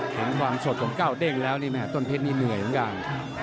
เห็นความสดของก้าวเด้งแล้วนี่แม่ต้นเพชรนี่เหนื่อยเหมือนกัน